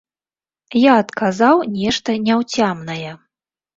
Я адказаў нешта няўцямнае.